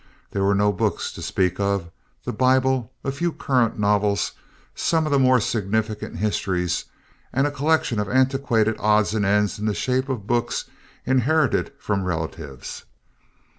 There were no books to speak of—the Bible, a few current novels, some of the more significant histories, and a collection of antiquated odds and ends in the shape of books inherited from relatives.